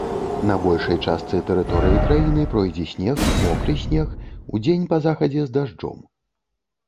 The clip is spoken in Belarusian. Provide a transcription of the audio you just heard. На большай частцы тэрыторыі краіны пройдзе снег, мокры снег, удзень па захадзе з дажджом.